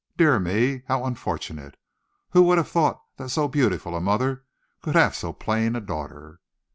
Dear me, how unfortunate! Who would have thought that so beautiful a mother could have so plain a daughter!"